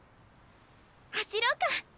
走ろうか！